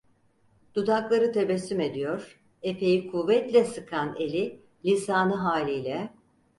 Dudakları tebessüm ediyor, efeyi kuvvetle sıkan eli, lisanı haliyle: